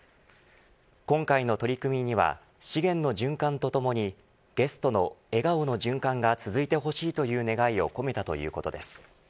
今回の取り組みには資源の循環とともにゲストの笑顔の循環が続いてほしいという願いを込めたということです。